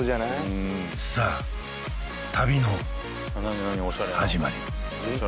うーんさあ旅の始まり